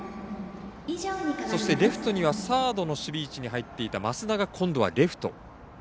そして、レフトにはサードの守備位置に入っていた増田が今度はレフト。